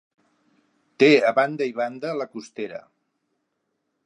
Té a banda i banda la Costera.